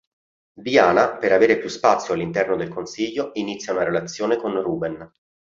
Diana per avere più spazio all'interno del consiglio inizia una relazione con Ruben.